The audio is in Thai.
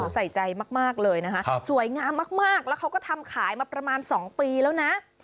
ใส่ใจมากเลยนะคะสวยงามมากแล้วเขาก็ทำขายมาประมาณ๒ปีแล้วนะ